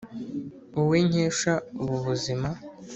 Wowe nkesha ubu buzima